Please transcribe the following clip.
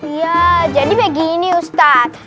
iya jadi begini ustadz